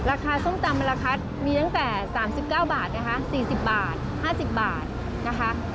ส้มตำราคามีตั้งแต่๓๙บาทนะคะ๔๐บาท๕๐บาทนะคะ